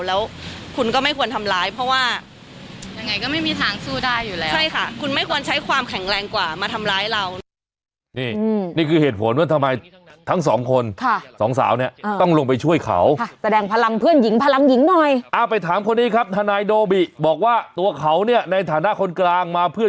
แล้วคุณก็ไม่ควรทำร้ายเพราะว่ายังไงก็ไม่มีทางสู้ได้อยู่แล้ว